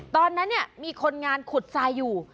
ตอนนั้นเนี่ยมีคนงานขุดซายอยู่